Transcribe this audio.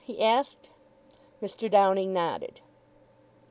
he asked. Mr. Downing nodded.